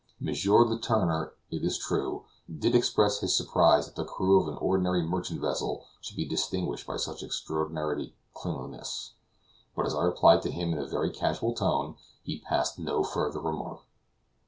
M. Letourneur, it is true, did express his surprise that the crew of an ordinary merchant vessel should be distinguished by such extraordinary cleanliness; but as I replied to him in a very casual tone, he passed no further remark.